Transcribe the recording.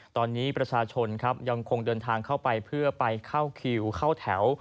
ตอนนี้ประชาชนครับยังคงเดินทางเข้าไปเพื่อไปเข้าคิวเข้าแถว